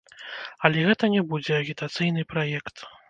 Але гэта не будзе агітацыйны праект.